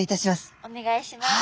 お願いします。